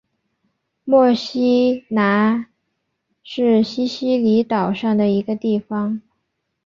墨西拿是西西里岛上的一个地方。